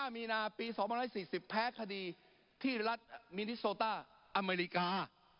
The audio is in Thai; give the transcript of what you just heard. มีนาปี๒๔๐แพ้คดีที่รัฐมินิโซต้าอเมริกา